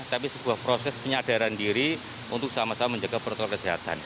tapi sebuah proses penyadaran diri untuk sama sama menjaga protokol kesehatan